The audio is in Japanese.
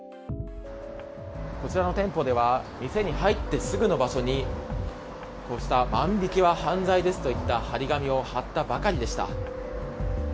こちらの店舗では店に入ったすぐの場所にこうした万引きは犯罪ですといった貼り紙を貼ったばかりでした。